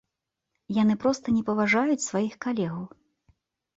Яны проста не паважаюць сваіх калегаў.